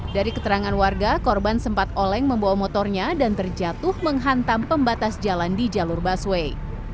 dari keterangan warga korban sempat oleng membawa motornya dan terjatuh menghantam pembatas jalan di jalur busway